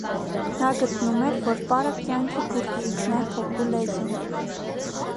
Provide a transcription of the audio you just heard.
Նա գտնում էր, որ պարը «կյանքի գուրծիքն է», հոգու լեզուն։